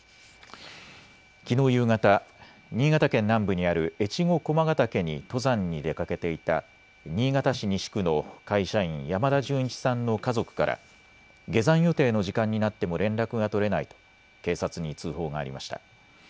きのう夕方、新潟県南部にある越後駒ヶ岳に登山に出かけていた新潟市西区の会社員、山田純一さんの家族から下山予定の時間になっても連絡が取れないと警察に通報がありました。